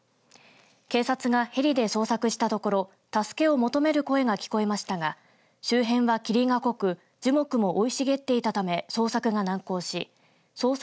警察がヘリで捜索したところ助けを求める声が聞こえましたが周辺は霧が濃く樹木も生い茂っていたため捜索が難航し捜索